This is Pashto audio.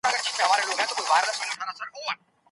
ترڅو افغانستان تل سرلوړی وي.